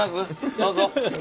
どうぞ。